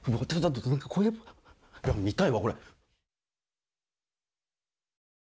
怖え見たいわこれ。